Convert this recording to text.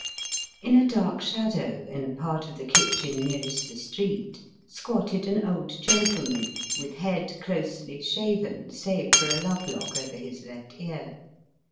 In a dark shadow, in a part of the kitchen nearest the street, squatted an old gentleman, with head closely shaven save for a love Jock over his left ear.